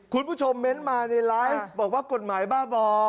คุณผู้ชมเม้นต์มาในไลฟ์บอกว่ากฎหมายบ้าบ่อ